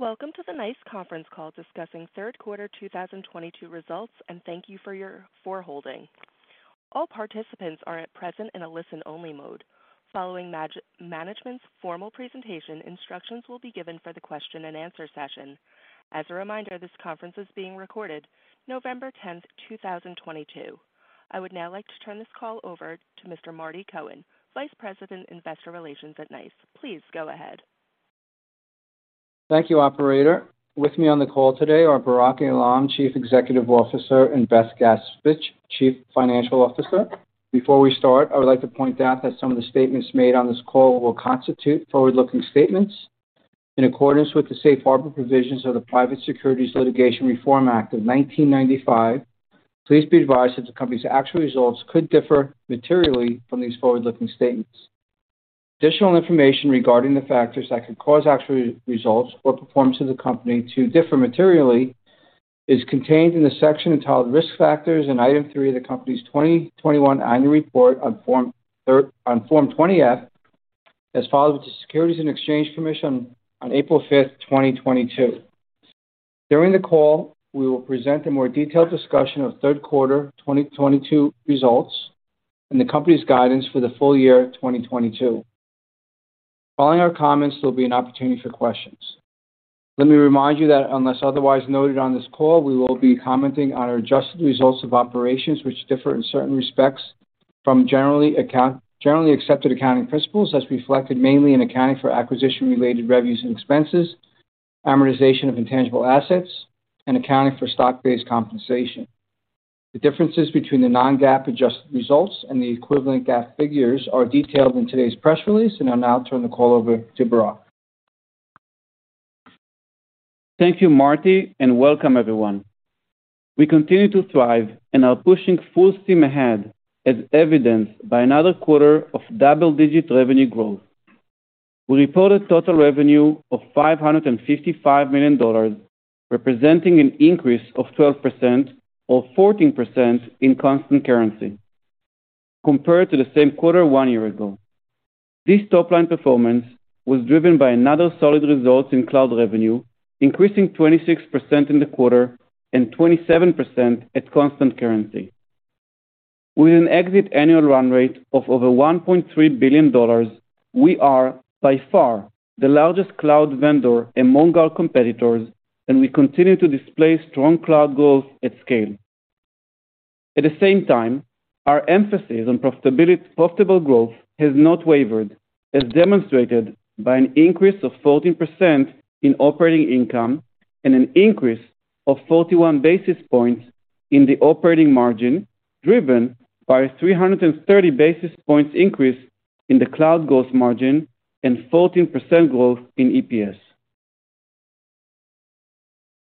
Welcome to the NICE Conference Call discussing Q3 2022 Results, and thank you for holding. All participants are at present in a listen-only mode. Following management's formal presentation, instructions will be given for the Q&A session. As a reminder, this conference is being recorded November 10, 2022. I would now like to turn this call over to Mr. Marty Cohen, Vice President, Investor Relations at NICE. Please go ahead. Thank you, operator. With me on the call today are Barak Eilam, Chief Executive Officer, and Beth Gaspich, Chief Financial Officer. Before we start, I would like to point out that some of the statements made on this call will constitute forward-looking statements. In accordance with the safe harbor provisions of the Private Securities Litigation Reform Act of 1995, please be advised that the company's actual results could differ materially from these forward-looking statements. Additional information regarding the factors that could cause actual results or performance of the company to differ materially is contained in the section entitled Risk Factors in item three of the company's 2021 annual report on Form 20-F, as filed with the Securities and Exchange Commission on April 5, 2022. During the call, we will present a more detailed discussion of Q3 2022 results and the company's guidance for the Full Year 2022. Following our comments, there'll be an opportunity for questions. Let me remind you that unless otherwise noted on this call, we will be commenting on our adjusted results of operations, which differ in certain respects from generally accepted accounting principles, as reflected mainly in accounting for acquisition-related revenues and expenses, amortization of intangible assets, and accounting for stock-based compensation. The differences between the non-GAAP adjusted results and the equivalent GAAP figures are detailed in today's press release, and I'll now turn the call over to Barak. Thank you, Marty, and welcome everyone. We continue to thrive and are pushing full steam ahead, as evidenced by another quarter of double-digit revenue growth. We reported total revenue of $555 million, representing an increase of 12% or 14% in constant currency compared to the same quarter one year ago. This top-line performance was driven by another solid result in cloud revenue, increasing 26% in the quarter and 27% at constant currency. With an exit annual run rate of over $1.3 billion, we are by far the largest cloud vendor among our competitors, and we continue to display strong cloud growth at scale. At the same time, our emphasis on profitable growth has not wavered, as demonstrated by an increase of 14% in operating income and an increase of 41 basis points in the operating margin, driven by a 330 basis points increase in the cloud gross margin and 14% growth in EPS.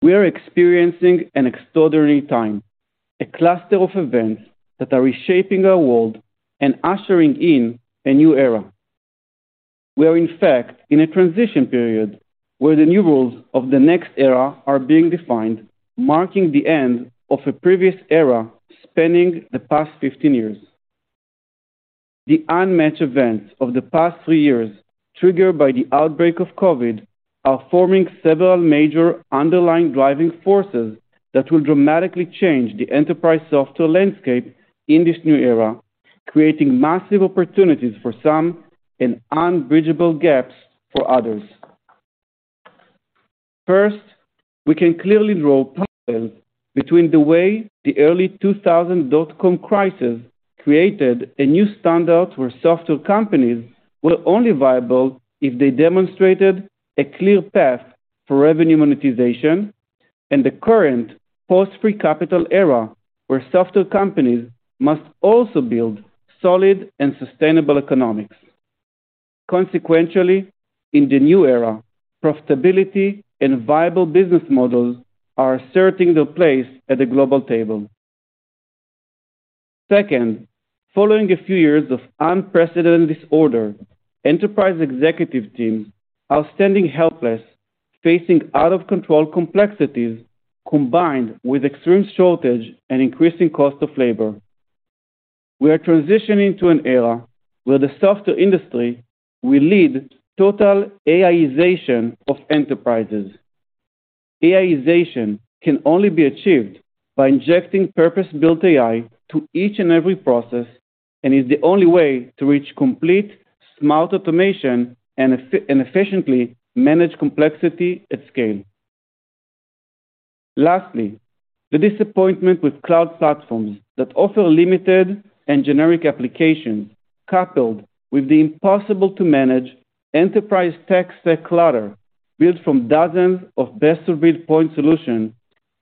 We are experiencing an extraordinary time, a cluster of events that are reshaping our world and ushering in a new era. We are, in fact, in a transition period where the new rules of the next era are being defined, marking the end of a previous era spanning the past 15 years. The unmatched events of the past three years, triggered by the outbreak of COVID, are forming several major underlying driving forces that will dramatically change the enterprise software landscape in this new era, creating massive opportunities for some and unbridgeable gaps for others. First, we can clearly draw parallels between the way the early 2000 dot-com crisis created a new standard where software companies were only viable if they demonstrated a clear path for revenue monetization and the current post free capital era, where software companies must also build solid and sustainable economics. Consequently, in the new era, profitability and viable business models are asserting their place at the global table. Second, following a few years of unprecedented disorder, enterprise executive teams are standing helpless, facing out-of-control complexities combined with extreme shortage and increasing cost of labor. We are transitioning to an era where the software industry will lead total AIization of enterprises. AIization can only be achieved by injecting purpose-built AI to each and every process and is the only way to reach complete smart automation and efficiently manage complexity at scale. Lastly, the disappointment with cloud platforms that offer limited and generic applications, coupled with the impossible-to-manage enterprise tech stack clutter built from dozens of best-of-breed point solutions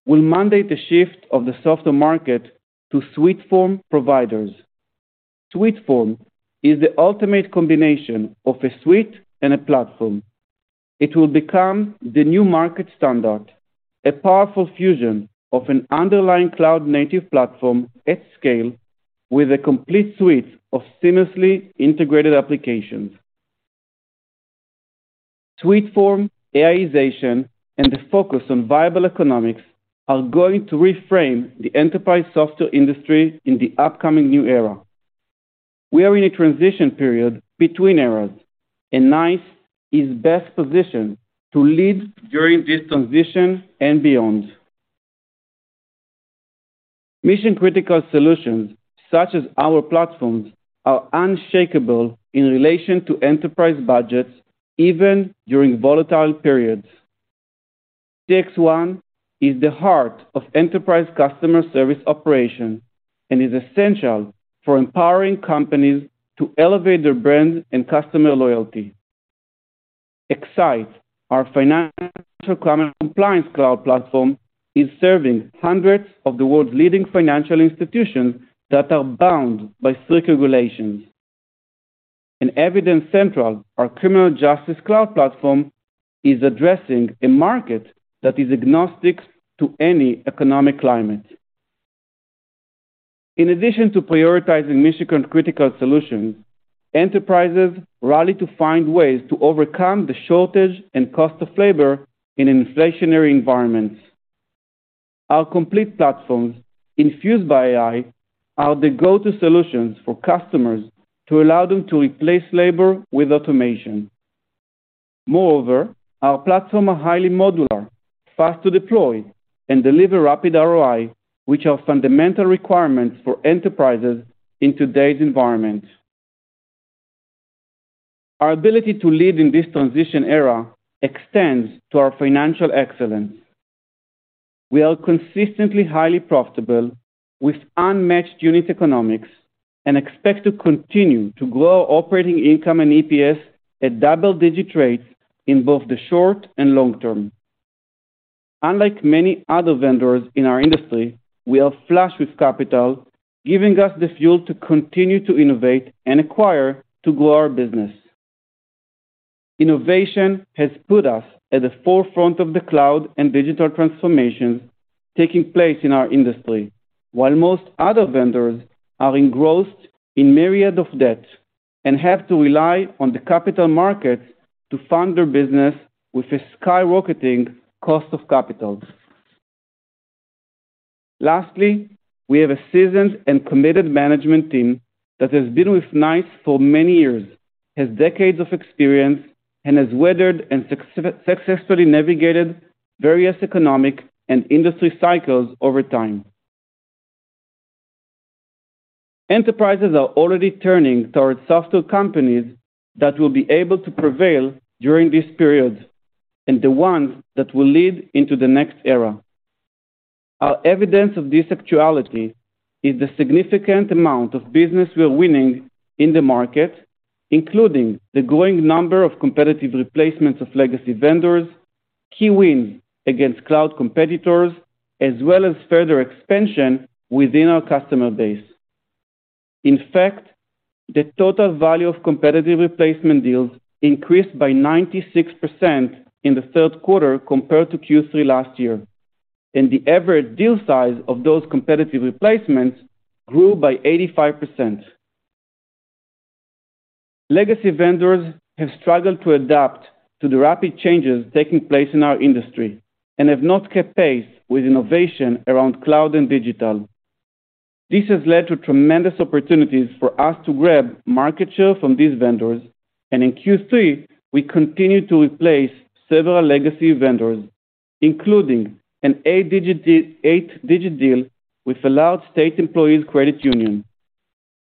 will mandate a shift of the software market to Suiteform providers. Suiteform is the ultimate combination of a suite and a platform. It will become the new market standard, a powerful fusion of an underlying cloud-native platform at scale with a complete suite of seamlessly integrated applications. Suiteform, AIization, and the focus on viable economics are going to reframe the enterprise software industry in the upcoming new era. We are in a transition period between eras, and NICE is best positioned to lead during this transition and beyond. Mission-critical solutions such as our platforms are unshakable in relation to enterprise budgets even during volatile periods. CXone is the heart of enterprise customer service operation and is essential for empowering companies to elevate their brand and customer loyalty. X-Sight, our financial crime and compliance cloud platform, is serving hundreds of the world's leading financial institutions that are bound by strict regulations. Evidencentral, our criminal justice cloud platform, is addressing a market that is agnostic to any economic climate. In addition to prioritizing mission-critical solutions, enterprises rally to find ways to overcome the shortage and cost of labor in inflationary environments. Our complete platforms, infused by AI, are the go-to solutions for customers to allow them to replace labor with automation. Moreover, our platform are highly modular, fast to deploy, and deliver rapid ROI, which are fundamental requirements for enterprises in today's environment. Our ability to lead in this transition era extends to our financial excellence. We are consistently highly profitable with unmatched unit economics and expect to continue to grow our operating income and EPS at double-digit rates in both the short and long-term. Unlike many other vendors in our industry, we are flush with capital, giving us the fuel to continue to innovate and acquire to grow our business. Innovation has put us at the forefront of the cloud and digital transformation taking place in our industry. While most other vendors are engrossed in myriad of debt and have to rely on the capital markets to fund their business with a skyrocketing cost of capital. Lastly, we have a seasoned and committed management team that has been with NICE for many years, has decades of experience, and has weathered and successfully navigated various economic and industry cycles over time. Enterprises are already turning towards software companies that will be able to prevail during this period and the ones that will lead into the next era. Our evidence of this actuality is the significant amount of business we're winning in the market, including the growing number of competitive replacements of legacy vendors, key wins against cloud competitors, as well as further expansion within our customer base. In fact, the total value of competitive replacement deals increased by 96% in the Q3 compared to Q3 last year. The average deal size of those competitive replacements grew by 85%. Legacy vendors have struggled to adapt to the rapid changes taking place in our industry and have not kept pace with innovation around cloud and digital. This has led to tremendous opportunities for us to grab market share from these vendors. In Q3, we continued to replace several legacy vendors, including an eight-digit deal with a large state employees' credit union.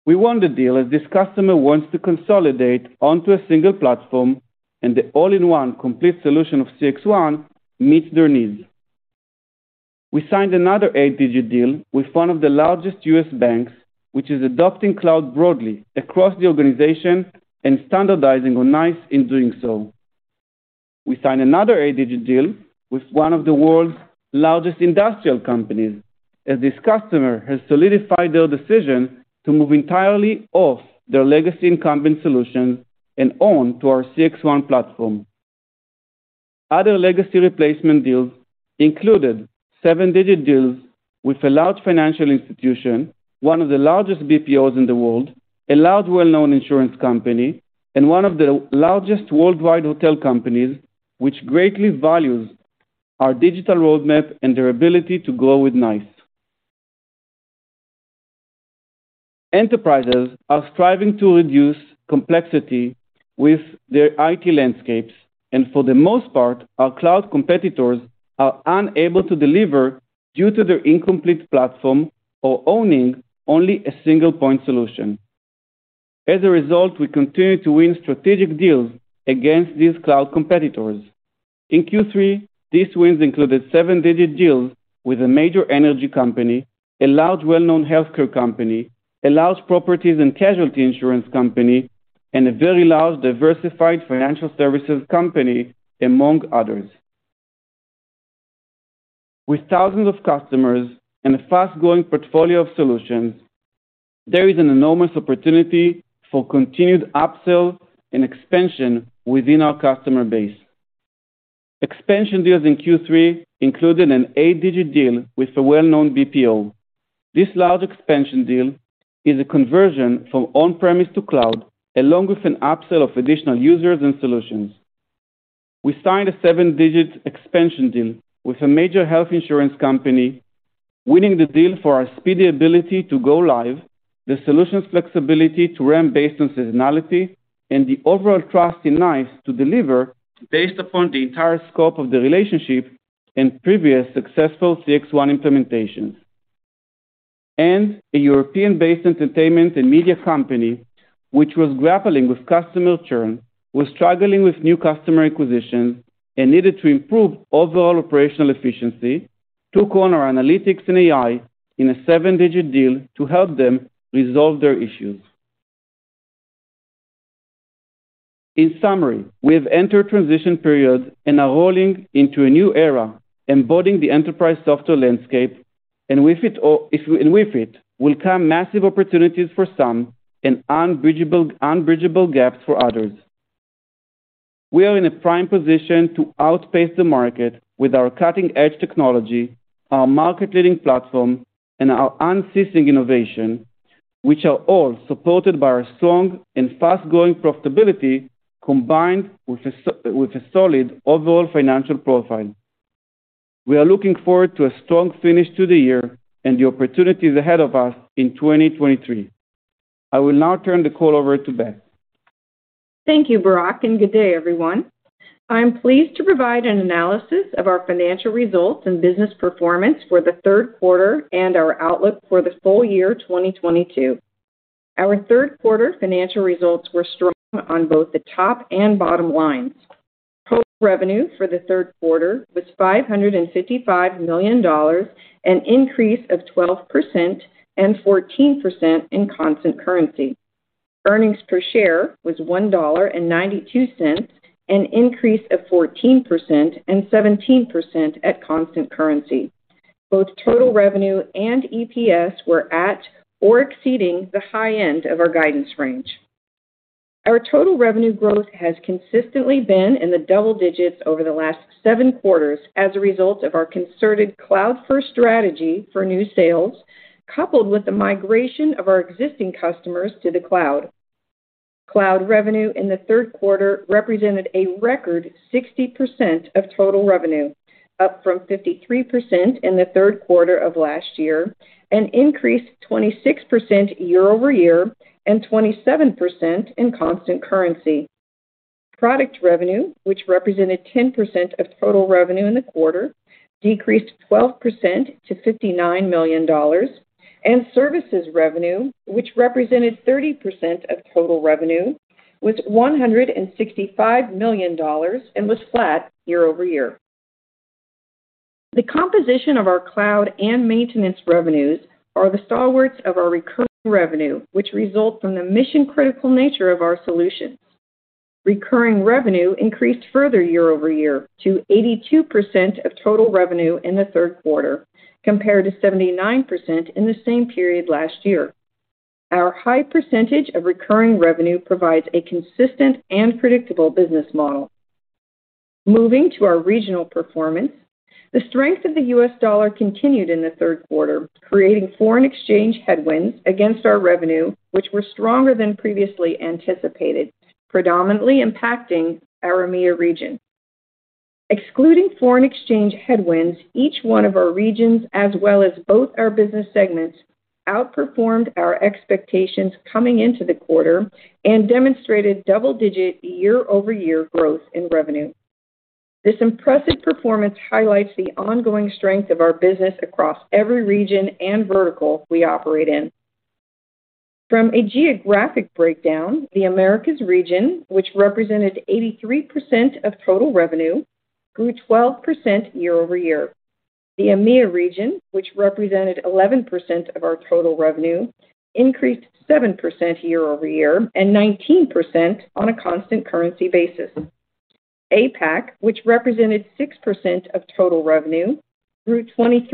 We won the deal as this customer wants to consolidate onto a single platform, and the all-in-one complete solution of CXone meets their needs. We signed another eight-digit deal with one of the largest U.S. banks, which is adopting cloud broadly across the organization and standardizing on NICE in doing so. We signed another eight-digit deal with one of the world's largest industrial companies, as this customer has solidified their decision to move entirely off their legacy incumbent solution and on to our CXone platform. Other legacy replacement deals included seven-digit deals with a large financial institution, one of the largest BPOs in the world, a large well-known insurance company, and one of the largest worldwide hotel companies, which greatly values our digital roadmap and their ability to grow with NICE. Enterprises are striving to reduce complexity with their IT landscapes, and for the most part, our cloud competitors are unable to deliver due to their incomplete platform or owning only a single-point solution. As a result, we continue to win strategic deals against these cloud competitors. In Q3, these wins included seven-digit deals with a major energy company, a large well-known healthcare company, a large property and casualty insurance company, and a very large diversified financial services company, among others. With thousands of customers and a fast-growing portfolio of solutions, there is an enormous opportunity for continued upsell and expansion within our customer base. Expansion deals in Q3 included an eight-digit deal with a well-known BPO. This large expansion deal is a conversion from on-premise to cloud, along with an upsell of additional users and solutions. We signed a seven-digit expansion deal with a major health insurance company, winning the deal for our speedy ability to go live, the solution's flexibility to ramp-based on seasonality, and the overall trust in NICE to deliver-based upon the entire scope of the relationship and previous successful CXone implementations. A European-based entertainment and media company, which was grappling with customer churn, was struggling with new customer acquisitions, and needed to improve overall operational efficiency, took on our analytics and AI in a seven-digit deal to help them resolve their issues. In summary, we have entered transition periods and are rolling into a new era embodying the enterprise software landscape, and with it will come massive opportunities for some and unbridgeable gaps for others. We are in a prime position to outpace the market with our cutting-edge technology, our market-leading platform, and our unceasing innovation, which are all supported by our strong and fast-growing profitability, combined with a solid overall financial profile. We are looking forward to a strong finish to the year and the opportunities ahead of us in 2023. I will now turn the call over to Beth. Thank you, Barak, and good day, everyone. I'm pleased to provide an analysis of our financial results and business performance for the Q3 and our outlook for the Full Year 2022. Our Q3 financial results were strong on both the top and bottom lines. Total revenue for the Q3 was $555 million, an increase of 12%, and 14% in constant currency. Earnings per share was $1.92, an increase of 14% and 17% at constant currency. Both total revenue and EPS were at or exceeding the high end of our guidance range. Our total revenue growth has consistently been in the double-digits over the last seven quarters as a result of our concerted cloud-first strategy for new sales, coupled with the migration of our existing customers to the cloud. Cloud revenue in the Q3 represented a record 60% of total revenue, up from 53% in the Q3 of last year and increased 26% year-over-year and 27% in constant currency. Product revenue, which represented 10% of total revenue in the quarter, decreased 12% to $59 million, and services revenue, which represented 30% of total revenue, was $165 million and was flat year-over-year. The composition of our cloud and maintenance revenues are the stalwarts of our recurring revenue, which result from the mission-critical nature of our solutions. Recurring revenue increased further year-over-year to 82% of total revenue in the Q3, compared to 79% in the same period last year. Our high percentage of recurring revenue provides a consistent and predictable business model. Moving to our regional performance, the strength of the US dollar continued in the Q3, creating foreign exchange headwinds against our revenue, which were stronger than previously anticipated, predominantly impacting our EMEA region. Excluding foreign exchange headwinds, each one of our regions, as well as both our business segments, outperformed our expectations coming into the quarter and demonstrated double-digit year-over-year growth in revenue. This impressive performance highlights the ongoing strength of our business across every region and vertical we operate in. From a geographic breakdown, the Americas region, which represented 83% of total revenue, grew 12% year-over-year. The EMEA region, which represented 11% of our total revenue, increased 7% year-over-year and 19% on a constant currency basis. APAC, which represented 6% of total revenue, grew 23%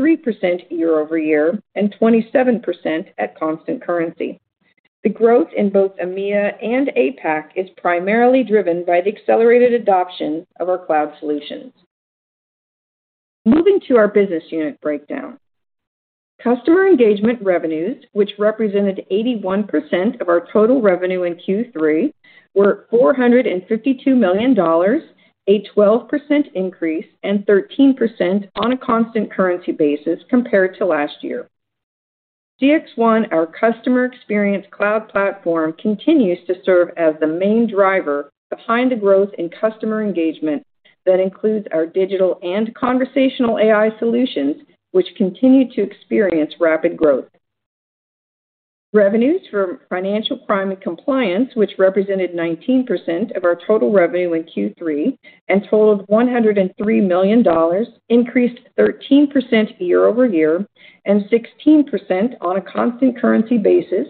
year-over-year and 27% at constant currency. The growth in both EMEA and APAC is primarily driven by the accelerated adoption of our cloud solutions. Moving to our business unit breakdown. Customer engagement revenues, which represented 81% of our total revenue in Q3, were $452 million, a 12% increase, and 13% on a constant currency basis compared to last year. CXone, our customer experience cloud platform, continues to serve as the main driver behind the growth in customer engagement that includes our digital and conversational AI solutions, which continue to experience rapid growth. Revenues for financial crime and compliance, which represented 19% of our total revenue in Q3 and totaled $103 million, increased 13% year-over-year and 16% on a constant currency basis,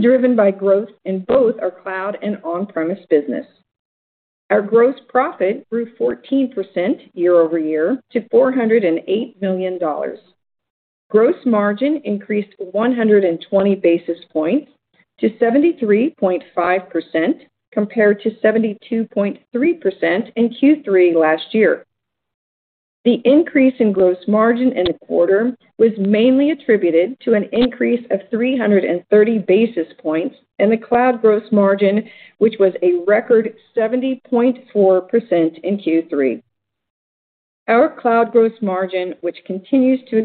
driven by growth in both our cloud and on-premise business. Our gross profit grew 14% year-over-year to $408 million. Gross margin increased 120 basis points to 73.5% compared to 72.3% in Q3 last year. The increase in gross margin in the quarter was mainly attributed to an increase of 330 basis points in the cloud gross margin, which was a record 70.4% in Q3. Our cloud gross margin, which continues to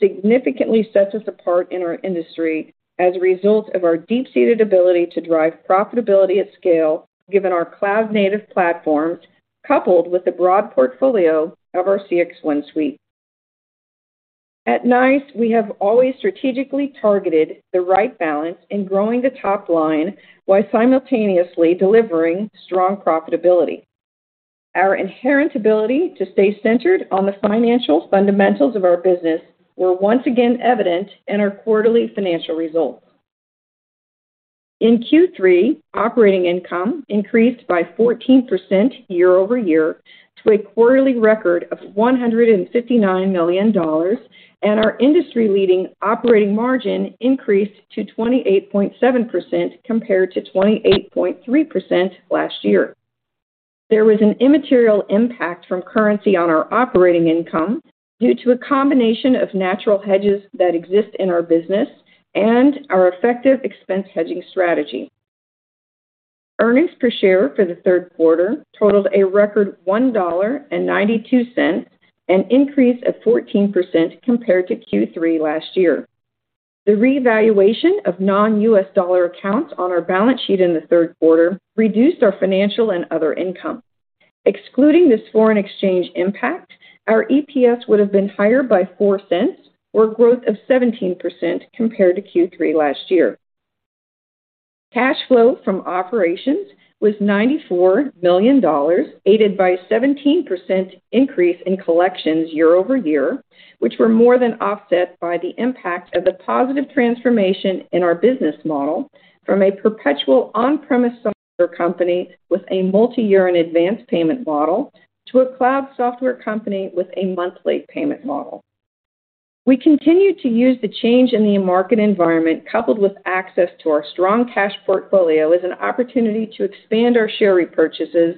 expand, significantly sets us apart in our industry as a result of our deep-seated ability to drive profitability at scale given our cloud-native platforms, coupled with the broad portfolio of our CXone suite. At NICE, we have always strategically targeted the right balance in growing the top line while simultaneously delivering strong profitability. Our inherent ability to stay centered on the financial fundamentals of our business were once again evident in our quarterly financial results. In Q3, operating income increased by 14% year-over-year to a quarterly record of $159 million, and our industry-leading operating margin increased to 28.7% compared to 28.3% last year. There was an immaterial impact from currency on our operating income due to a combination of natural hedges that exist in our business and our effective expense hedging strategy. Earnings per share for the Q3 totaled a record $1.92, an increase of 14% compared to Q3 last year. The revaluation of non-U.S. dollar accounts on our balance sheet in the Q3 reduced our financial and other income. Excluding this foreign exchange impact, our EPS would have been higher by $0.04, or 17% growth compared to Q3 last year. Cash flow from operations was $94 million, aided by a 17% increase in collections year-over-year, which were more than offset by the impact of the positive transformation in our business model from a perpetual on-premise software company with a multi-year and advance payment model to a cloud software company with a monthly payment model. We continued to use the change in the market environment, coupled with access to our strong cash portfolio, as an opportunity to expand our share repurchases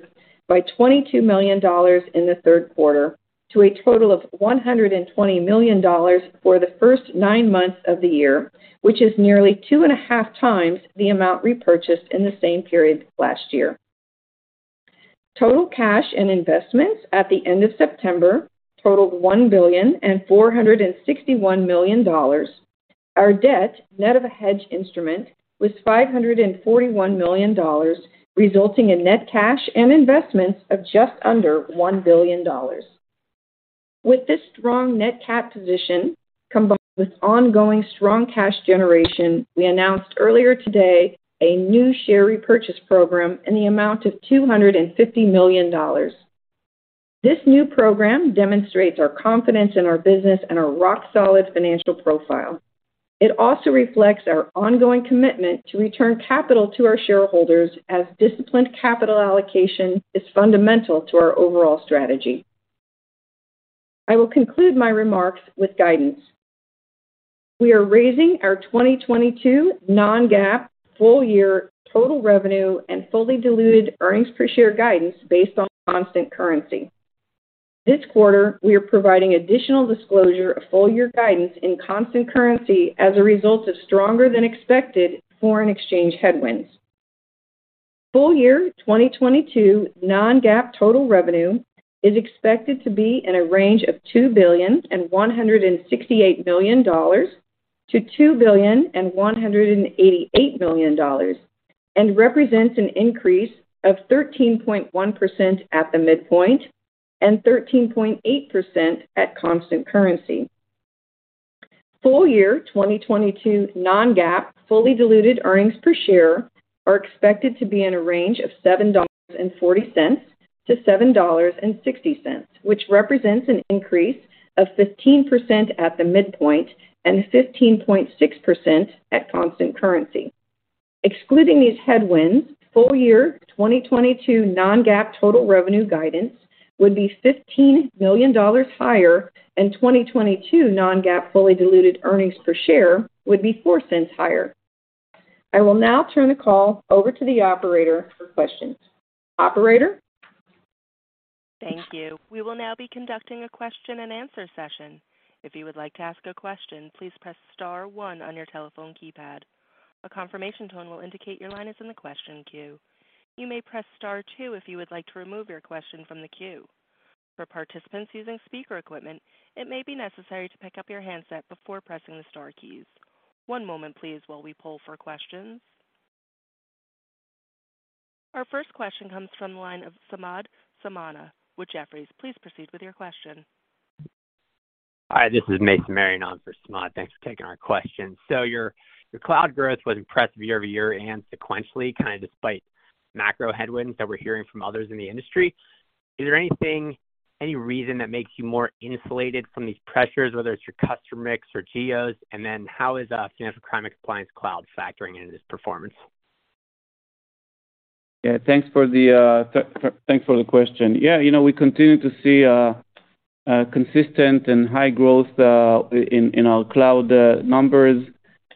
by $22 million in the Q3 to a total of $120 million for the first nine months of the year, which is nearly two and a half times the amount repurchased in the same period last year. Total cash and investments at the end of September totaled $1.461 billion. Our debt, net of a hedge instrument, was $541 million, resulting in net cash and investments of just under $1 billion. With this strong net cash position, combined with ongoing strong cash generation, we announced earlier today a new share repurchase program in the amount of $250 million. This new program demonstrates our confidence in our business and our rock-solid financial profile. It also reflects our ongoing commitment to return capital to our shareholders as disciplined capital allocation is fundamental to our overall strategy. I will conclude my remarks with guidance. We are raising our 2022 non-GAAP Full Year total revenue and fully diluted earnings per share guidance-based on constant currency. This quarter, we are providing additional disclosure of full year guidance in constant currency as a result of stronger than expected foreign exchange headwinds. Full Year 2022 non-GAAP total revenue is expected to be in a range of $2.168 billion-$2.188 billion, and represents an increase of 13.1% at the midpoint and 13.8% at constant currency. Full year 2022 non-GAAP fully diluted earnings per share are expected to be in a range of $7.40-$7.60, which represents an increase of 15% at the midpoint and 15.6% at constant currency. Excluding these headwinds, Full Year 2022 non-GAAP total revenue guidance would be $15 million higher, and 2022 non-GAAP fully diluted earnings per share would be four cents higher. I will now turn the call over to the operator for questions. Operator? Thank you. We will now be conducting a Q&A session. If you would like to ask a question, please press Star one on your telephone keypad. A confirmation tone will indicate your line is in the question queue. You may press Star two if you would like to remove your question from the queue. For participants using speaker equipment, it may be necessary to pick up your handset before pressing the Star keys. One moment please while we poll for questions. Our first question comes from the line of Samad Samana with Jefferies. Please proceed with your question. Hi, this is Mason Marion on for Samad Samana. Thanks for taking our question. Your cloud growth was impressive year-over-year and sequentially, kind of despite macro headwinds that we're hearing from others in the industry. Is there anything, any reason that makes you more insulated from these pressures, whether it's your customer mix or geos? How is Financial Crime and Compliance Cloud factoring into this performance? Yeah, thanks for the question. Yeah, you know, we continue to see consistent and high growth in our cloud numbers.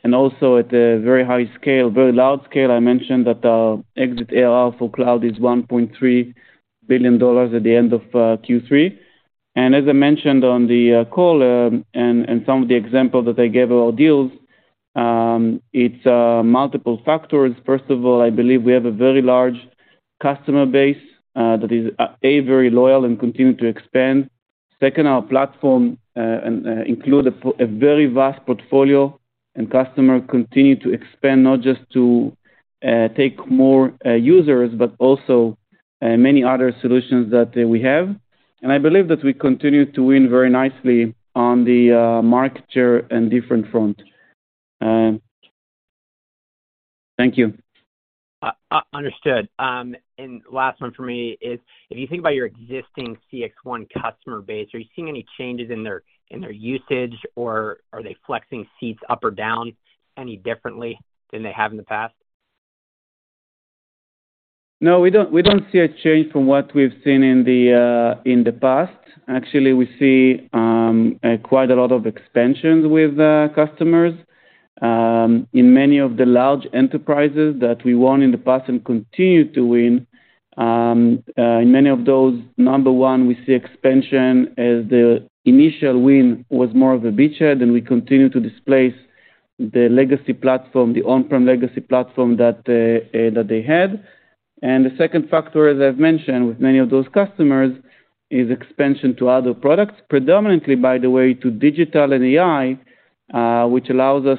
Also at a very high scale, very large scale, I mentioned that the exit ARR for cloud is $1.3 billion at the end of Q3. As I mentioned on the call, and some of the examples that I gave about deals, it's multiple factors. First of all, I believe we have a very large customer base that is very loyal and continue to expand. Second, our platform and include a very vast portfolio and customer continue to expand, not just to take more users, but also many other solutions that we have. I believe that we continue to win very nicely on the market share and different front. Thank you. Understood. Last one for me is, if you think about your existing CXone customer base, are you seeing any changes in their usage, or are they flexing seats up or down any differently than they have in the past? No, we don't see a change from what we've seen in the past. Actually, we see quite a lot of expansions with the customers in many of the large enterprises that we won in the past and continue to win. In many of those, number one, we see expansion as the initial win was more of a beachhead, and we continue to displace the legacy platform, the on-prem legacy platform that they had. The second factor, as I've mentioned with many of those customers, is expansion to other products. Predominantly, by the way, to digital and AI, which allows us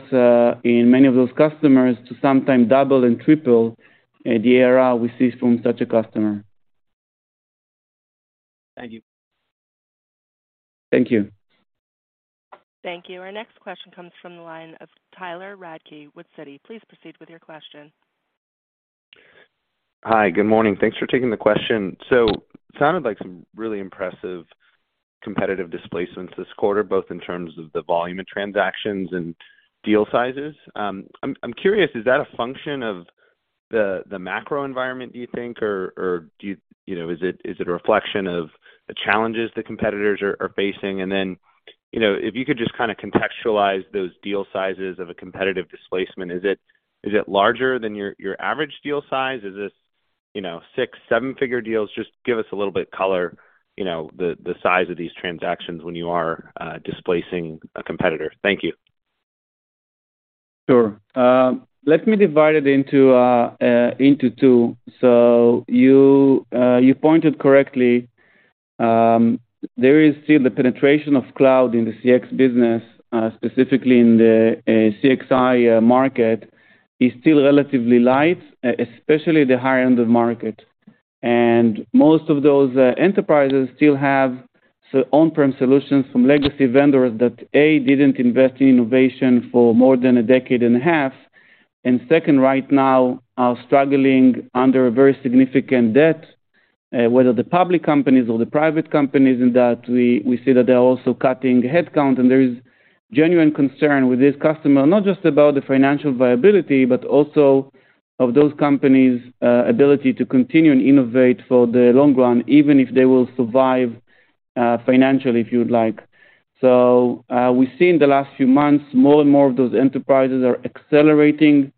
in many of those customers to sometimes double and triple the ARR we see from such a customer. Thank you. Thank you. Thank you. Our next question comes from the line of Tyler Radke with Citi. Please proceed with your question. Hi. Good morning. Thanks for taking the question. Sounded like some really impressive competitive displacements this quarter, both in terms of the volume of transactions and deal sizes. I'm curious, is that a function of the macro environment, do you think, or you know, is it a reflection of the challenges the competitors are facing? Then, you know, if you could just kinda contextualize those deal sizes of a competitive displacement. Is it larger than your average deal size? Is this, you know, six, seven-figure deals? Just give us a little bit color, you know, the size of these transactions when you are displacing a competitor. Thank you. Sure. Let me divide it into two. You pointed correctly. There is still the penetration of cloud in the CX business, specifically in the CXI market, is still relatively light, especially the high end of market. Most of those enterprises still have on-prem solutions from legacy vendors that, A, didn't invest in innovation for more than a decade and a half, and second, right now are struggling under a very significant debt, whether the public companies or the private companies, in that we see that they're also cutting headcount. There is genuine concern with this customer, not just about the financial viability, but also of those companies ability to continue and innovate for the long run, even if they will survive financially, if you'd like. We've seen the last few months, more and more of those enterprises are accelerating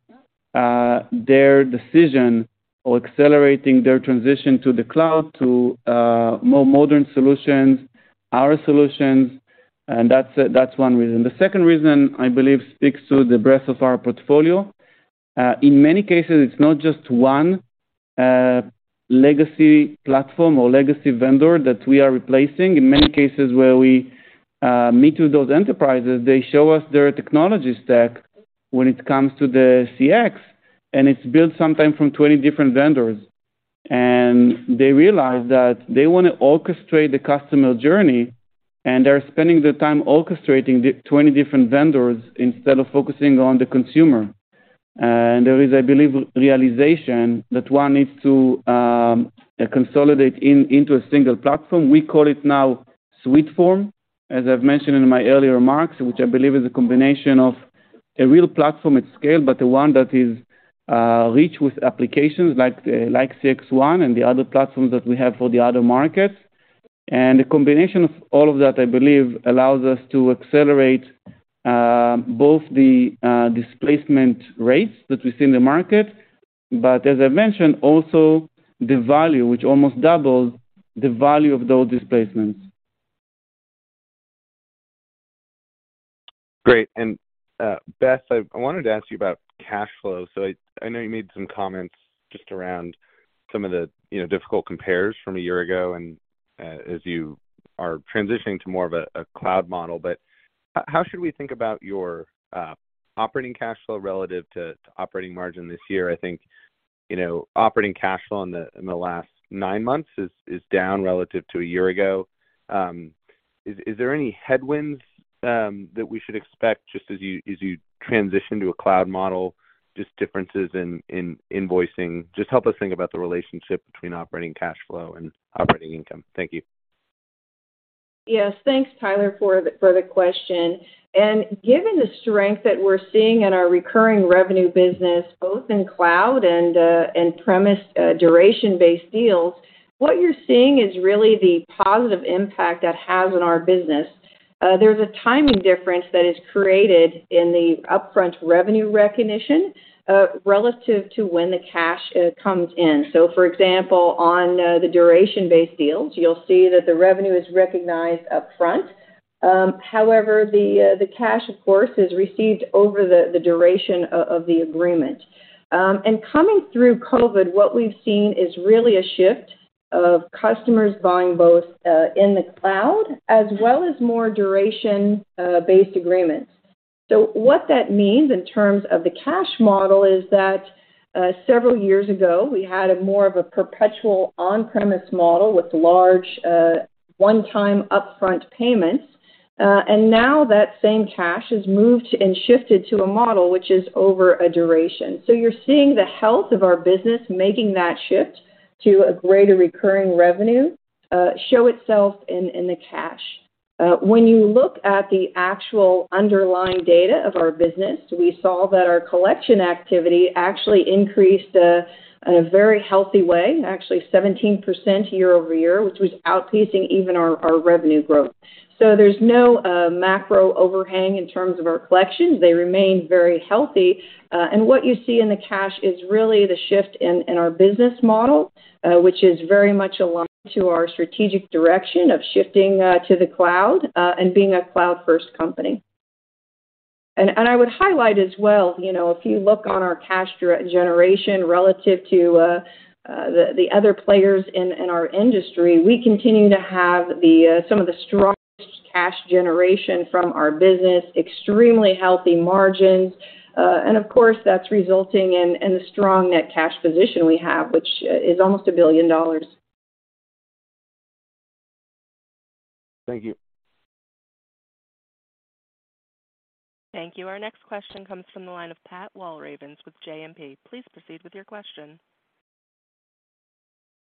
their decision or accelerating their transition to the cloud to more modern solutions, our solutions, and that's one reason. The second reason, I believe, speaks to the breadth of our portfolio. In many cases, it's not just one legacy platform or legacy vendor that we are replacing. In many cases, where we meet with those enterprises, they show us their technology stack when it comes to the CX, and it's built sometime from 20 different vendors. They realize that they wanna orchestrate the customer journey, and they're spending the time orchestrating 20 different vendors instead of focusing on the consumer. There is, I believe, realization that one needs to consolidate into a single platform. We call it now Suiteform, as I've mentioned in my earlier remarks, which I believe is a combination of a real platform at scale, but the one that is rich with applications like CXone and the other platforms that we have for the other markets. The combination of all of that, I believe, allows us to accelerate both the displacement rates that we see in the market, but as I mentioned, also the value, which almost doubles the value of those displacements. Great. Beth, I wanted to ask you about cash flow. I know you made some comments just around some of the, you know, difficult compares from a year ago and, as you are transitioning to more of a cloud model. How should we think about your operating cash flow relative to operating margin this year? I think, you know, operating cash flow in the last nine months is down relative to a year ago. Is there any headwinds that we should expect just as you transition to a cloud model, just differences in invoicing? Just help us think about the relationship between operating cash flow and operating income. Thank you. Yes. Thanks, Tyler, for the question. Given the strength that we're seeing in our recurring revenue business, both in cloud and on-premise duration-based deals, what you're seeing is really the positive impact that has on our business. There's a timing difference that is created in the upfront revenue recognition relative to when the cash comes in. For example, on the duration-based deals, you'll see that the revenue is recognized upfront. However, the cash, of course, is received over the duration of the agreement. Coming through COVID, what we've seen is really a shift of customers buying both in the cloud as well as more duration-based agreements. What that means in terms of the cash model is that, several years ago, we had more of a perpetual on-premise model with large, one-time upfront payments. Now that same cash has moved and shifted to a model which is over a duration. You're seeing the health of our business making that shift to a greater recurring revenue, show itself in the cash. When you look at the actual underlying data of our business, we saw that our collection activity actually increased, in a very healthy way, actually 17% year-over-year, which was outpacing even our revenue growth. There's no macro overhang in terms of our collections. They remain very healthy. What you see in the cash is really the shift in our business model, which is very much aligned to our strategic direction of shifting to the cloud and being a cloud first company. I would highlight as well, you know, if you look on our cash generation relative to the other players in our industry, we continue to have some of the strongest cash generation from our business, extremely healthy margins. Of course, that's resulting in the strong net cash position we have, which is almost $1 billion. Thank you. Thank you. Our next question comes from the line of Pat Walravens with JMP. Please proceed with your question.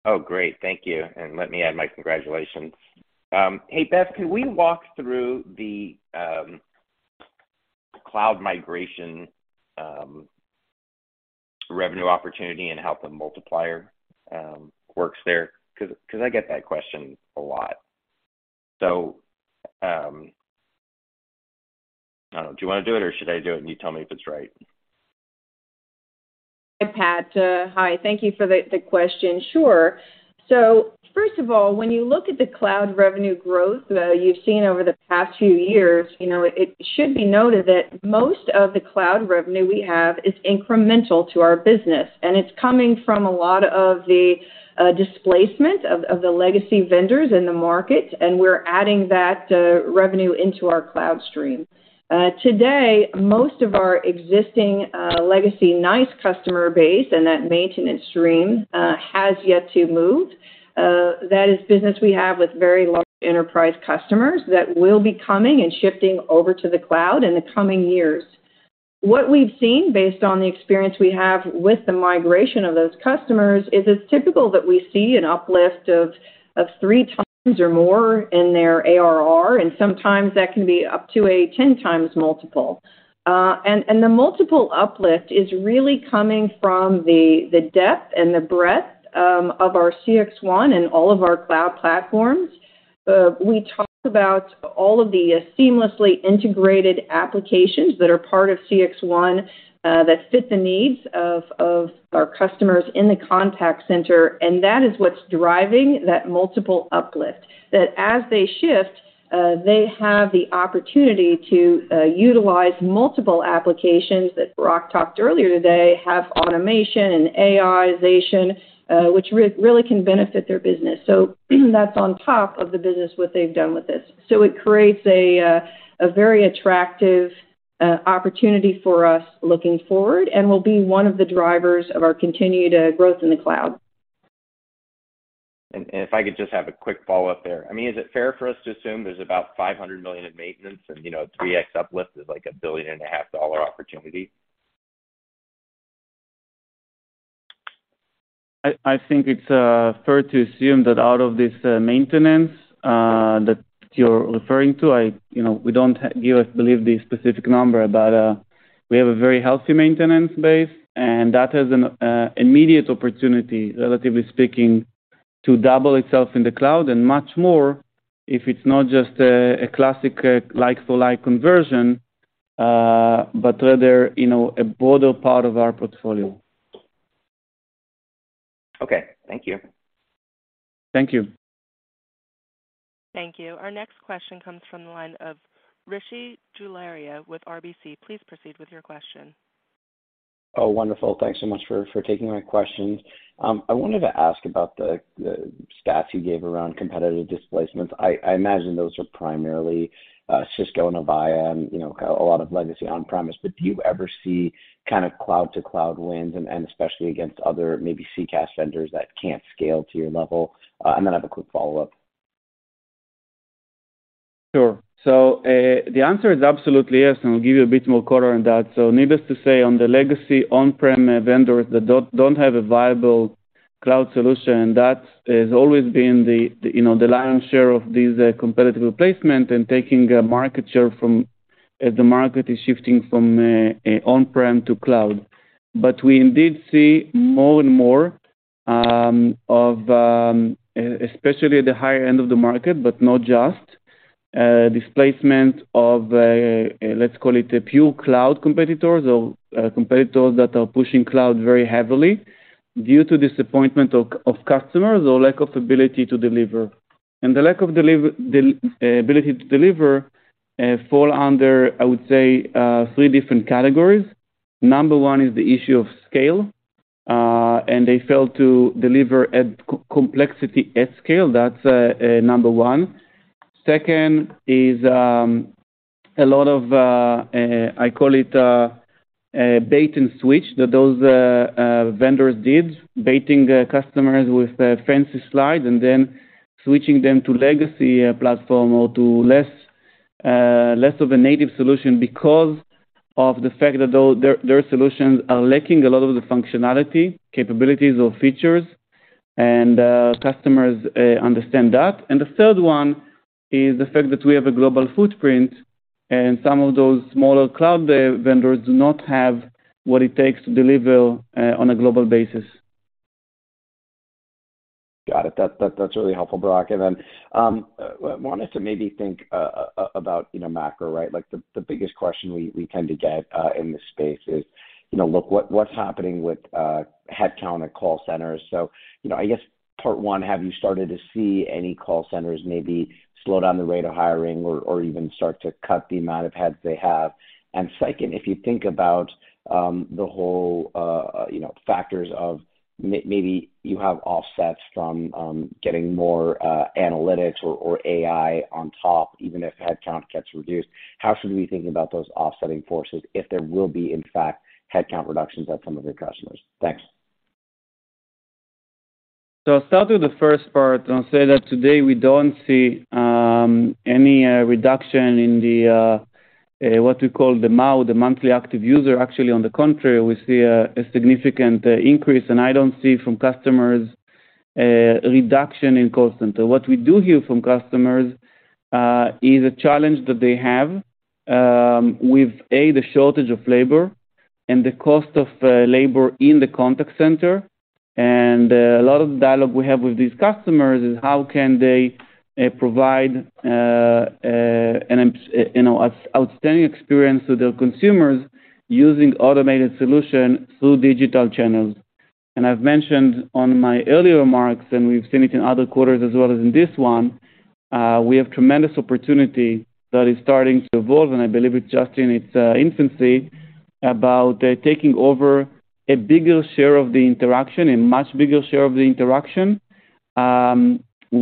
Oh, great. Thank you. Let me add my congratulations. Hey, Beth, can we walk through the cloud migration revenue opportunity and how the multiplier works there? 'Cause I get that question a lot. I don't know, do you wanna do it or should I do it and you tell me if it's right? Hi, Pat. Thank you for the question. Sure. First of all, when you look at the cloud revenue growth that you've seen over the past few years, it should be noted that most of the cloud revenue we have is incremental to our business, and it's coming from a lot of the displacement of the legacy vendors in the market, and we're adding that revenue into our cloud stream. Today, most of our existing legacy NICE customer base and that maintenance stream has yet to move. That is business we have with very large enterprise customers that will be coming and shifting over to the cloud in the coming years. What we've seen based on the experience we have with the migration of those customers is it's typical that we see an uplift of 3x or more in their ARR, and sometimes that can be up to a 10x multiple. And the multiple uplift is really coming from the depth and the breadth of our CXone and all of our cloud platforms. We talk about all of the seamlessly integrated applications that are part of CXone that fit the needs of our customers in the contact center, and that is what's driving that multiple uplift. That, as they shift, they have the opportunity to utilize multiple applications that Barak talked earlier today have automation and AIization, which really can benefit their business. That's on top of the business, what they've done with this. It creates a very attractive opportunity for us looking forward and will be one of the drivers of our continued growth in the cloud. If I could just have a quick follow-up there. I mean, is it fair for us to assume there's about $500 million in maintenance and, you know, 3x uplift is like a $1.5 billion opportunity? I think it's fair to assume that out of this maintenance that you're referring to, you know, we don't give, I believe, the specific number, but we have a very healthy maintenance base, and that has an immediate opportunity, relatively speaking, to double itself in the cloud and much more if it's not just a classic like for like conversion, but rather, you know, a broader part of our portfolio. Okay. Thank you. Thank you. Thank you. Our next question comes from the line of Rishi Jaluria with RBC. Please proceed with your question. Oh, wonderful. Thanks so much for taking my questions. I wanted to ask about the stats you gave around competitive displacements. I imagine those are primarily Cisco and Avaya and, you know, kind of a lot of legacy on-premise. Do you ever see kind of cloud to cloud wins and especially against other maybe CCaaS vendors that can't scale to your level? Then I have a quick follow-up. Sure. The answer is absolutely yes, and I'll give you a bit more color on that. Needless to say, on the legacy on-prem vendors that don't have a viable cloud solution, that has always been the you know the lion's share of this competitive replacement and taking market share from as the market is shifting from on-prem to cloud. We indeed see more and more, especially the higher end of the market, but not just. Displacement of, let's call it, a pure cloud competitors or competitors that are pushing cloud very heavily due to disappointment of customers or lack of ability to deliver. The ability to deliver fall under, I would say, three different categories. Number one is the issue of scale, and they fail to deliver complexity at scale. That's number one. Second is a lot of I call it a bait and switch that those vendors did, baiting the customers with fancy slides and then switching them to legacy platform or to less of a native solution because of the fact that their solutions are lacking a lot of the functionality, capabilities or features, and customers understand that. The third one is the fact that we have a global footprint, and some of those smaller cloud vendors do not have what it takes to deliver on a global basis. Got it. That's really helpful, Barak. Wanted to maybe think about you know macro right? Like the biggest question we tend to get in this space is you know look what's happening with headcount at call centers. You know I guess part one, have you started to see any call centers maybe slow down the rate of hiring or even start to cut the amount of heads they have? Second, if you think about the whole factors of maybe you have offsets from getting more analytics or AI on top, even if headcount gets reduced, how should we think about those offsetting forces if there will be in fact headcount reductions at some of your customers? Thanks. I'll start with the first part and say that today we don't see any reduction in what we call the MAU, the monthly active user. Actually, on the contrary, we see a significant increase, and I don't see from customers a reduction in call center. What we do hear from customers is a challenge that they have with the shortage of labor and the cost of labor in the contact center. A lot of the dialogue we have with these customers is how can they provide you know, outstanding experience to their consumers using automated solution through digital channels. I've mentioned on my earlier remarks, and we've seen it in other quarters as well as in this one, we have tremendous opportunity that is starting to evolve, and I believe it's just in its infancy about taking over a bigger share of the interaction, a much bigger share of the interaction,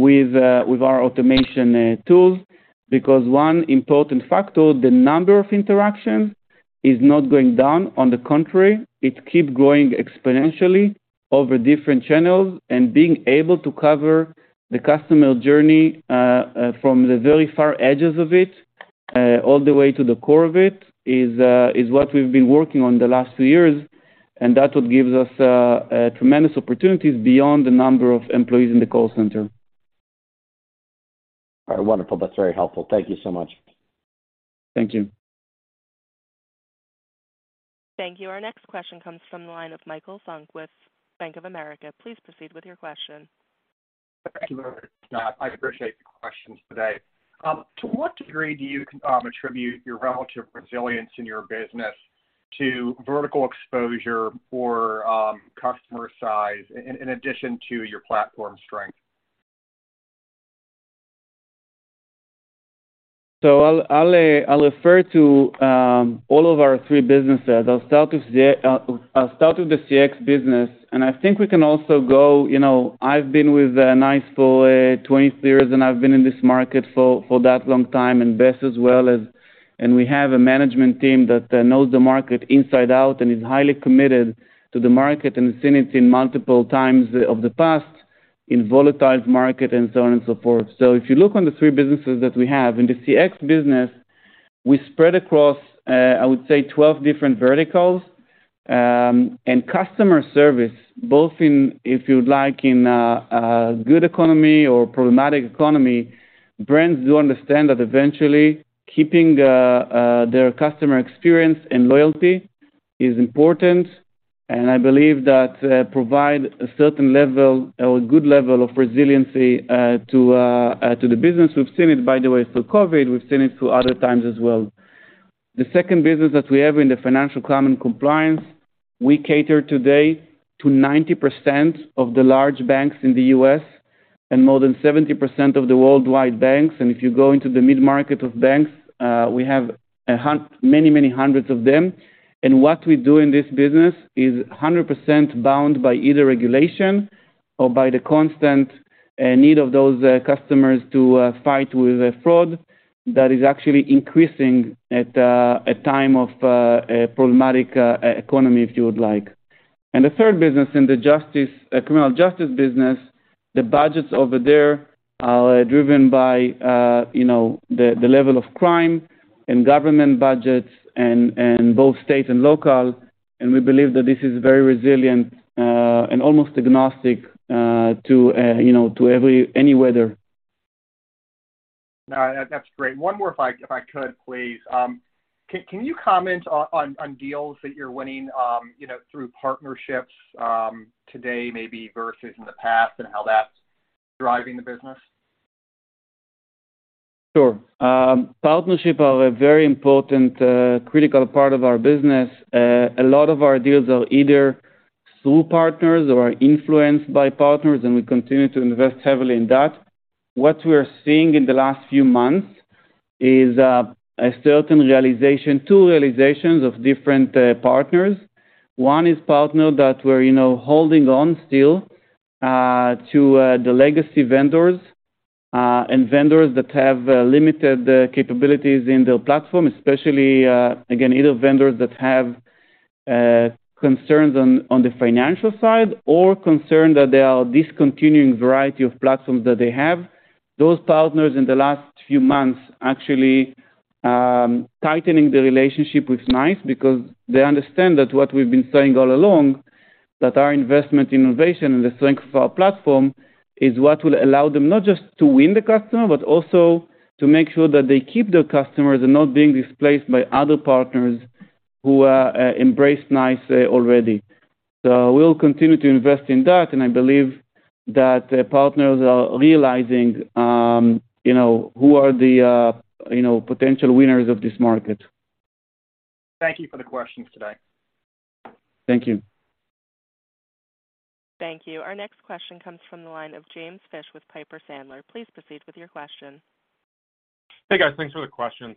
with our automation tools. Because one important factor, the number of interactions is not going down. On the contrary, it keep growing exponentially over different channels. Being able to cover the customer journey, from the very far edges of it, all the way to the core of it is what we've been working on the last few years, and that what gives us tremendous opportunities beyond the number of employees in the call center. All right. Wonderful. That's very helpful. Thank you so much. Thank you. Thank you. Our next question comes from the line of Michael Turits, Bank of America. Please proceed with your question. Thank you. I appreciate the questions today. To what degree do you attribute your relative resilience in your business to vertical exposure or customer size in addition to your platform strength? I'll refer to all of our three businesses. I'll start with the CX business, and I think we can also go. I've been with NICE for 20 years, and I've been in this market for that long-time, and Beth as well, and we have a management team that knows the market inside out and is highly committed to the market and has seen it in multiple times of the past in volatile market and so on and so forth. If you look on the three businesses that we have, in the CX business, we spread across. I would say 12 different verticals. Customer service, both in a good economy or problematic economy, brands do understand that eventually keeping their customer experience and loyalty is important. I believe that provide a certain level or a good level of resiliency to the business. We've seen it, by the way, through COVID. We've seen it through other times as well. The second business that we have in the financial crime and compliance, we cater today to 90% of the large banks in the U.S. and more than 70% of the worldwide banks. If you go into the mid-market of banks, we have many hundreds of them. What we do in this business is 100% bound by either regulation or by the constant need of those customers to fight with fraud that is actually increasing at a time of a problematic economy, if you would like. The third business in the justice criminal justice business, the budgets over there are driven by you know the level of crime and government budgets and both state and local, and we believe that this is very resilient and almost agnostic to you know to every any weather. No, that's great. One more if I could, please. Can you comment on deals that you're winning, you know, through partnerships, today maybe versus in the past and how that's driving the business? Sure. Partnership are a very important, critical part of our business. A lot of our deals are either through partners or are influenced by partners, and we continue to invest heavily in that. What we're seeing in the last few months is a certain realization, two realizations of different partners. One is partner that we're, you know, holding on still to the legacy vendors and vendors that have limited capabilities in their platform, especially again, either vendors that have concerns on the financial side or concerned that they are discontinuing variety of platforms that they have. Those partners in the last few months actually tightening the relationship with NICE because they understand that what we've been saying all along, that our investment innovation and the strength of our platform is what will allow them not just to win the customer, but also to make sure that they keep their customers and not being displaced by other partners who embrace NICE already. We'll continue to invest in that, and I believe that the partners are realizing you know who are the potential winners of this market. Thank you for the questions today. Thank you. Thank you. Our next question comes from the line of James Fish with Piper Sandler. Please proceed with your question. Hey, guys. Thanks for the questions.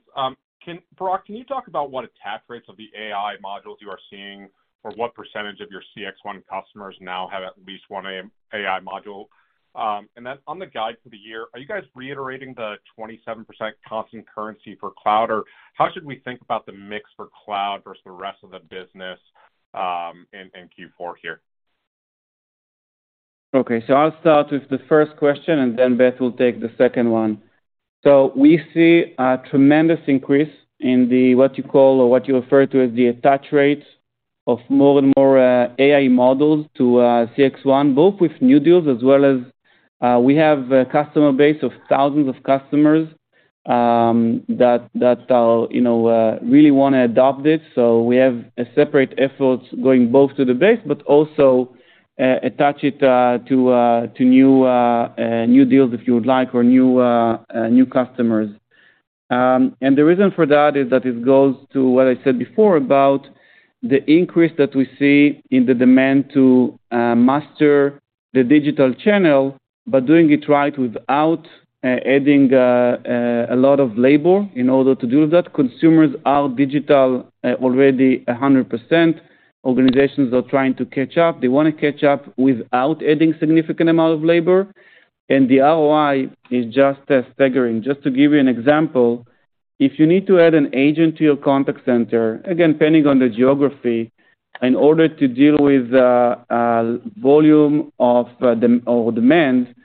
Barak, can you talk about what attach rates of the AI modules you are seeing or what percentage of your CXone customers now have at least one AI module? On the guide for the year, are you guys reiterating the 27% constant currency for cloud? Or how should we think about the mix for cloud versus the rest of the business, in Q4 here? Okay. I'll start with the first question, and then Beth will take the second one. We see a tremendous increase in the what you call or what you refer to as the attach rates of more and more AI models to CXone, both with new deals as well as we have a customer base of thousands of customers that are, you know, really wanna adopt it. We have separate efforts going both to the base, but also attach it to new deals, if you would like, or new customers. The reason for that is that it goes to what I said before about the increase that we see in the demand to master the digital channel, but doing it right without adding a lot of labor in order to do that. Consumers are digital already 100%. Organizations are trying to catch up. They wanna catch up without adding significant amount of labor, and the ROI is just as staggering. Just to give you an example, if you need to add an agent to your contact center, again, depending on the geography, in order to deal with a volume of or demand,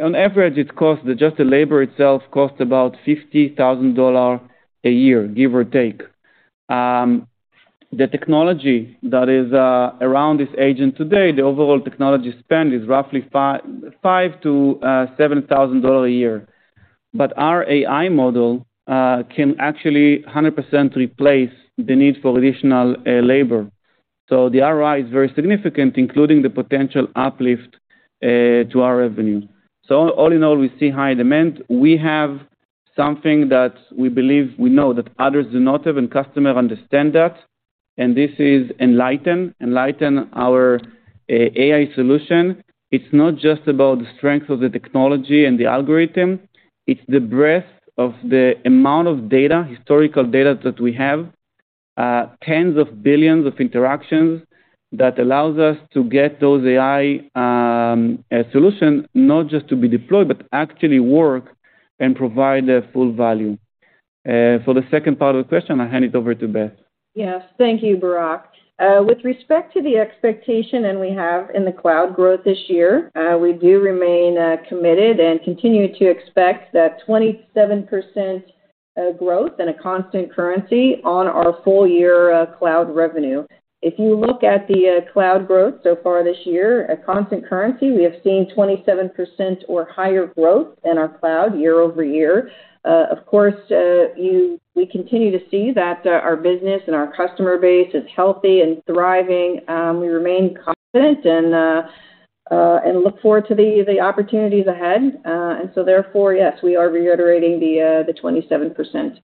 on average the labor itself costs about $50,000 a year, give or take. The technology that is around this agent today, the overall technology spend is roughly $5,000-$7,000 a year. Our AI model can actually 100% replace the need for additional labor. The ROI is very significant, including the potential uplift to our revenue. All-in-all, we see high demand. We have something that we believe we know that others do not have, and customers understand that, and this is Enlighten. Enlighten, our AI solution. It's not just about the strength of the technology and the algorithm. It's the breadth of the amount of data, historical data that we have, tens of billions of interactions that allows us to get those AI solution, not just to be deployed, but actually work and provide a full value. For the second part of the question, I'll hand it over to Beth. Yes. Thank you, Barak. With respect to the expectations that we have in the cloud growth this year, we do remain committed and continue to expect that 27% growth at constant currency on our full year cloud revenue. If you look at the cloud growth so far this year at constant currency, we have seen 27% or higher growth in our cloud year-over-year. Of course, we continue to see that our business and our customer base is healthy and thriving. We remain confident and look forward to the opportunities ahead. Therefore, yes, we are reiterating the 27%.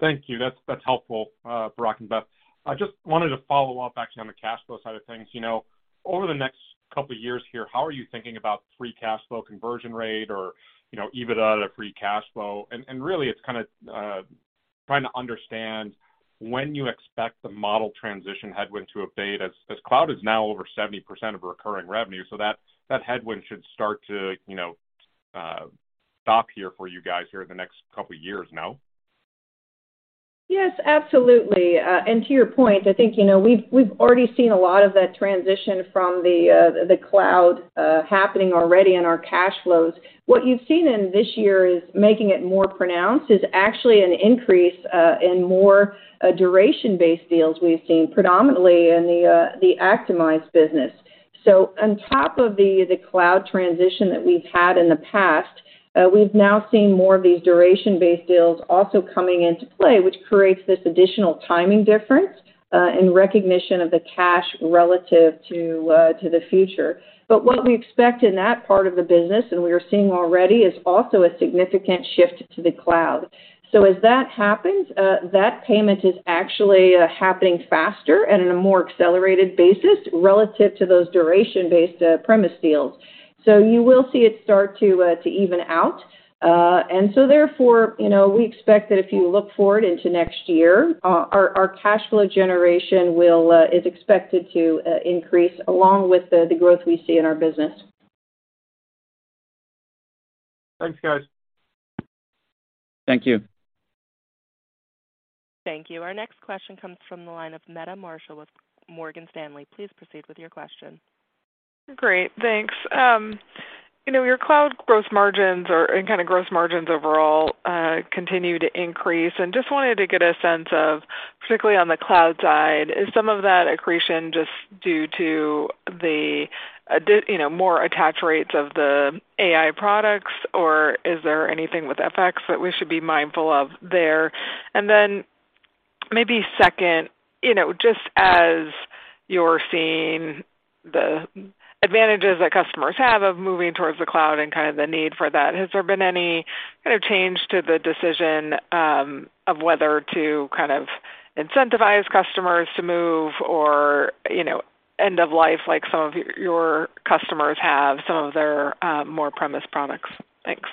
Thank you. That's helpful, Barak and Beth. I just wanted to follow up actually on the cash flow side of things. You know, over the next couple years here, how are you thinking about free cash flow conversion rate or, you know, EBITDA to free cash flow? And really it's kinda trying to understand when you expect the model transition headwind to abate as cloud is now over 70% of recurring revenue, so that headwind should start to, you know, stop here for you guys here in the next couple years now. Yes, absolutely. To your point, I think, you know, we've already seen a lot of that transition from the cloud happening already in our cash flows. What you've seen in this year is making it more pronounced is actually an increase in more duration-based deals we've seen predominantly in the Actimize business. On top of the cloud transition that we've had in the past. We've now seen more of these duration-based deals also coming into play, which creates this additional timing difference in recognition of the cash relative to the future. What we expect in that part of the business, and we are seeing already, is also a significant shift to the cloud. As that happens, that payment is actually happening faster and in a more accelerated basis relative to those duration-based premise deals. You will see it start to even out. Therefore, you know, we expect that if you look forward into next year, our cash flow generation is expected to increase along with the growth we see in our business. Thanks, guys. Thank you. Thank you. Our next question comes from the line of Meta Marshall with Morgan Stanley. Please proceed with your question. Great, thanks. You know, your cloud gross margins or and kind of gross margins overall continue to increase, and just wanted to get a sense of particularly on the cloud side, is some of that accretion just due to the, you know, more attach rates of the AI products, or is there anything with FX that we should be mindful of there? And then maybe second, you know, just as you're seeing the advantages that customers have of moving towards the cloud and kind of the need for that, has there been any kind of change to the decision of whether to kind of incentivize customers to move or, you know, end of life like some of your customers have, some of their more premise products? Thanks. Thanks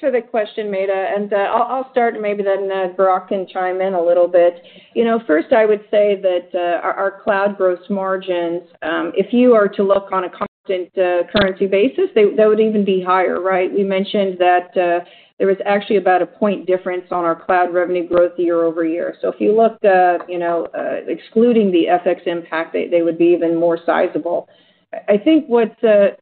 for the question, Meta, and, I'll start, and maybe then, Barak can chime in a little bit. You know, first I would say that, our cloud gross margins, if you are to look on a constant currency basis, they would even be higher, right? We mentioned that, there was actually about a point difference on our cloud revenue growth year-over-year. If you looked, you know, excluding the FX impact, they would be even more sizable. I think what,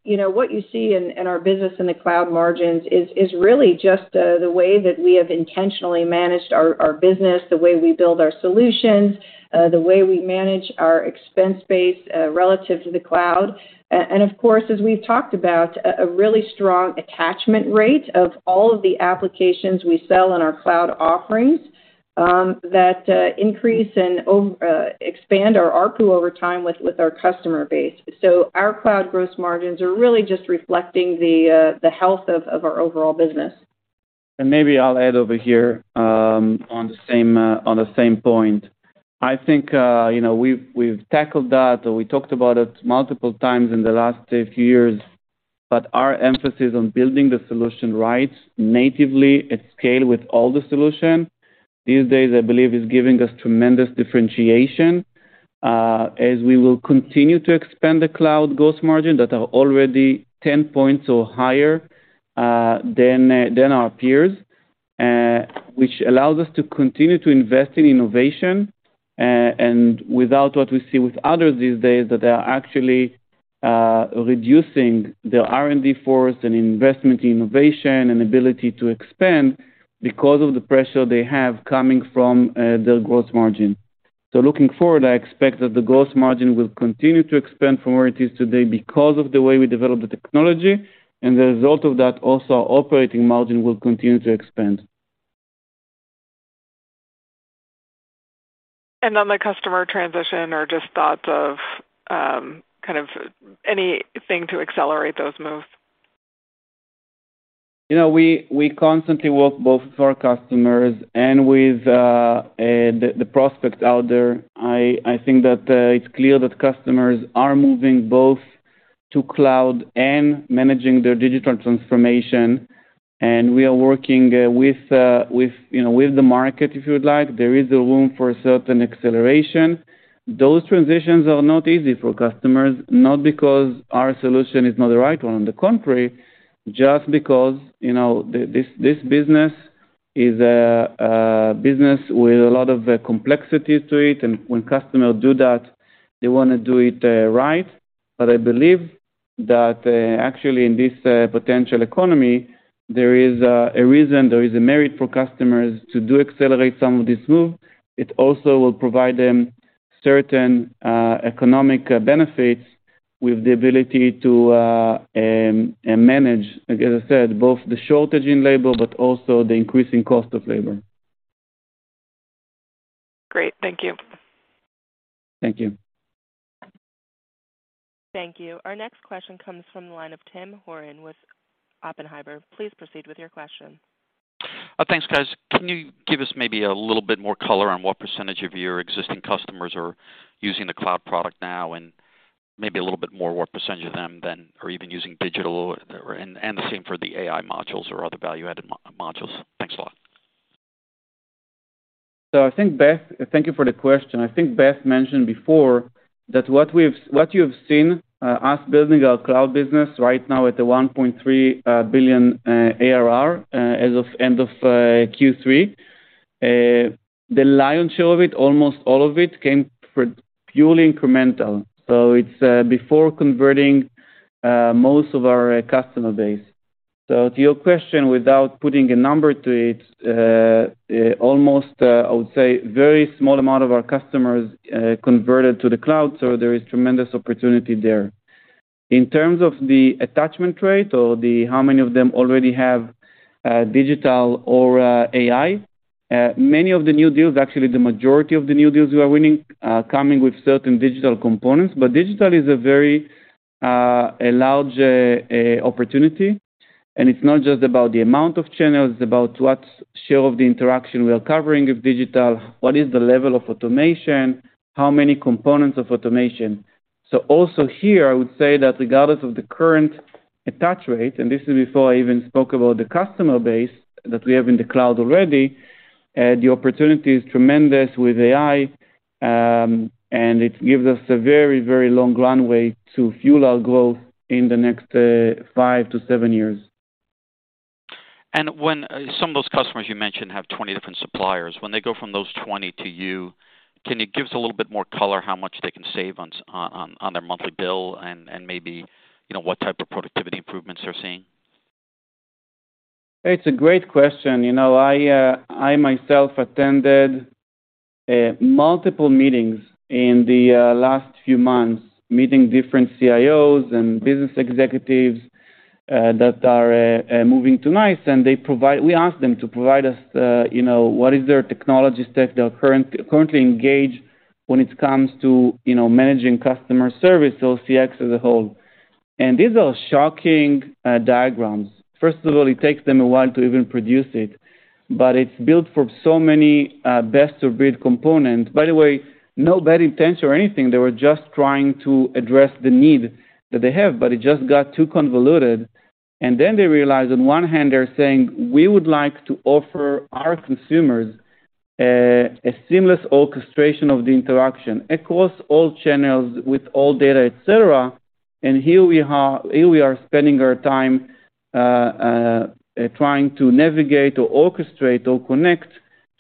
you know, what you see in, our business in the cloud margins is really just, the way that we have intentionally managed our business, the way we build our solutions, the way we manage our expense base, relative to the cloud. Of course, as we've talked about, a really strong attachment rate of all of the applications we sell in our cloud offerings that expand our ARPU over time with our customer base. Our cloud gross margins are really just reflecting the health of our overall business. Maybe I'll add over here, on the same point. I think, you know, we've tackled that or we talked about it multiple times in the last few years, but our emphasis on building the solution right natively at scale with all the solution these days, I believe is giving us tremendous differentiation, as we will continue to expand the cloud gross margin that are already 10 points or higher than our peers. Which allows us to continue to invest in innovation, and unlike what we see with others these days, that they are actually reducing their R&D force and investment in innovation and ability to expand because of the pressure they have coming from their gross margin. Looking forward, I expect that the gross margin will continue to expand from where it is today because of the way we develop the technology, and the result of that also, operating margin will continue to expand. On the customer transition or just thoughts of, kind of anything to accelerate those moves. You know, we constantly work both for our customers and with the prospects out there. I think that it's clear that customers are moving both to cloud and managing their digital transformation. We are working with, you know, with the market, if you would like. There is a room for certain acceleration. Those transitions are not easy for customers, not because our solution is not the right one. On the contrary, just because, you know, this business is a business with a lot of complexity to it. When customers do that, they wanna do it right. I believe that, actually in this potential economy, there is a reason there is a merit for customers to do accelerate some of this move. It also will provide them certain economic benefits with the ability to manage, as I said, both the shortage in labor but also the increasing cost of labor. Great. Thank you. Thank you. Thank you. Our next question comes from the line of Tim Horan with Oppenheimer. Please proceed with your question. Thanks, guys. Can you give us maybe a little bit more color on what percentage of your existing customers are using the cloud product now, and maybe a little bit more what percentage of them then are even using digital and the same for the AI modules or other value-added modules. Thanks a lot. I think Beth. Thank you for the question. I think Beth mentioned before that what you've seen us building our cloud business right now at $1.3 billion ARR as of end of Q3. The lion's share of it, almost all of it came from purely incremental. It's before converting most of our customer base. To your question, without putting a number to it, almost, I would say very small amount of our customers converted to the cloud, so there is tremendous opportunity there. In terms of the attachment rate or how many of them already have digital or AI, many of the new deals, actually the majority of the new deals we are winning, are coming with certain digital components. Digital is a very large opportunity, and it's not just about the amount of channels, it's about what share of the interaction we are covering with digital, what is the level of automation, how many components of automation. Also here, I would say that regardless of the current attach rate, and this is before I even spoke about the customer base that we have in the cloud already, the opportunity is tremendous with AI, and it gives us a very, very long runway to fuel our growth in the next five to seven years. When some of those customers you mentioned have 20 different suppliers, when they go from those 20 to you, can you give us a little bit more color how much they can save on their monthly bill and maybe, you know, what type of productivity improvements they're seeing? It's a great question. You know, I myself attended multiple meetings in the last few months, meeting different CIOs and business executives that are moving to NICE. We ask them to provide us, you know, what is their technology stack they're currently engaged when it comes to, you know, managing customer service or CX as a whole. These are shocking diagrams. First of all, it takes them a while to even produce it. It's built from so many best-of-breed components. By the way, no bad intents or anything. They were just trying to address the need that they have, but it just got too convoluted. They realized on one hand they're saying, "We would like to offer our consumers a seamless orchestration of the interaction across all channels with all data, et cetera. Here we are spending our time trying to navigate or orchestrate or connect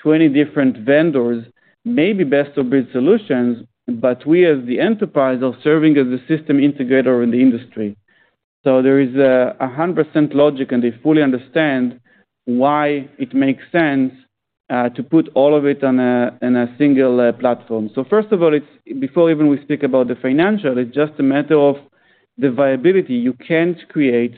20 different vendors, maybe best-of-breed solutions, but we as the enterprise are serving as a system integrator in the industry." There is 100% logic, and they fully understand why it makes sense to put all of it in a single platform. First of all, it's before even we speak about the financial, it's just a matter of the viability. You can't create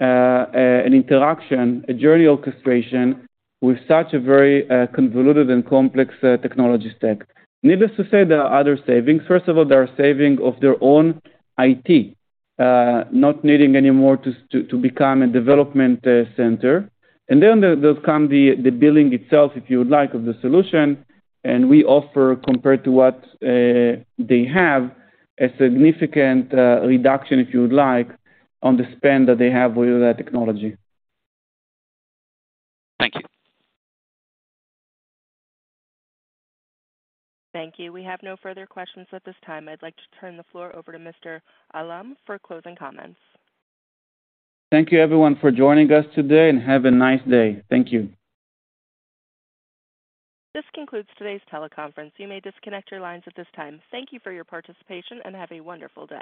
an interaction, a journey orchestration with such a very convoluted and complex technology stack. Needless to say, there are other savings. First of all, there are savings of their own IT, not needing any more to become a development center. There come the billing itself, if you would like, of the solution. We offer compared to what they have a significant reduction, if you would like, on the spend that they have with that technology. Thank you. Thank you. We have no further questions at this time. I'd like to turn the floor over to Mr. Eilam for closing comments. Thank you everyone for joining us today, and have a nice day. Thank you. This concludes today's teleconference. You may disconnect your lines at this time. Thank you for your participation, and have a wonderful day.